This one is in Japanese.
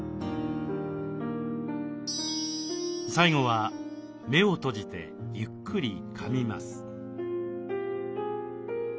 最後は目を閉じてゆっくりかみます。